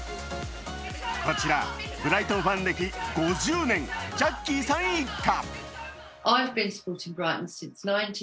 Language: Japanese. こちらブライトンファン歴５０年、ジャッキーさん一家。